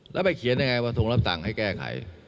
แล้วไปเขียนยังไงว่าทรงรับสั่งให้แก้ไข